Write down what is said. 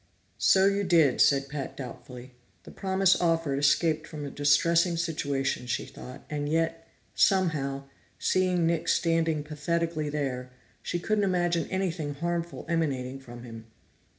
"So you did," said Pat doubtfully. The promise offered escape from a distressing situation, she thought, and yet somehow, seeing Nick standing pathetically there, she couldn't imagine anything harmful emanating from him.